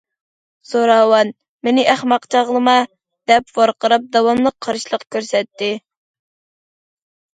زوراۋان:‹‹ مېنى ئەخمەق چاغلىما!›› دەپ ۋارقىراپ، داۋاملىق قارشىلىق كۆرسەتتى.